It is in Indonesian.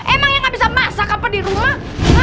emangnya gak bisa masak apa di rumah